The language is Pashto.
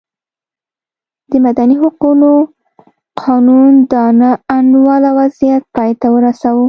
د مدني حقونو قانون دا نا انډوله وضعیت پای ته ورساوه.